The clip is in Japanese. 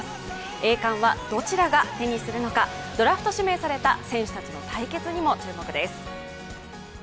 栄冠はどちらが手にするのか、ドラフト指名された選手たちの対決にも注目です。